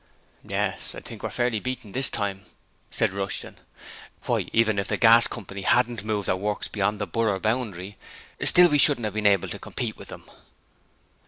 'Yes, I think we're fairly beaten this time,' said Rushton. 'Why, even if the Gas Coy hadn't moved their works beyond the borough boundary, still we shouldn't 'ave been hable to compete with 'em.'